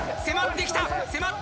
迫ってきた。